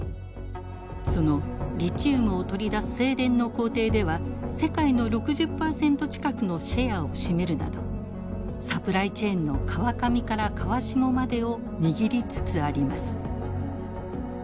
そのリチウムを取り出す精錬の工程では世界の６０％近くのシェアを占めるなどサプライチェーンの川上から川下までを握りつつあります。